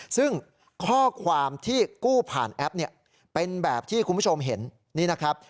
ซึ่งข้อความที่กู้ผ่านแอปเนี่ยเป็นแบบที่คุณผู้ชมเห็นนี่นะครับ